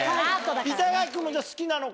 板垣君も好きなのか？